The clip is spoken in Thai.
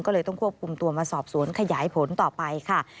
ก็เลยต้องควบคุมตัวมาสอบสวนขยายผลต่อไปค่ะ